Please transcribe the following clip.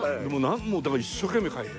だから一生懸命描いて。